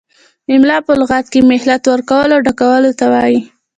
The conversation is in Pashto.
املاء په لغت کې مهلت ورکولو او ډکولو ته وايي.